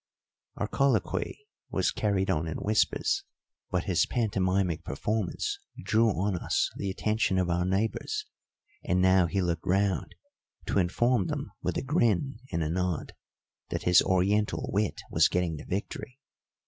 Our colloquy was carried on in whispers, but his pantomimic performance drew on us the attention of our neighbours, and now he looked round to inform them with a grin and a nod that his Oriental wit was getting the victory.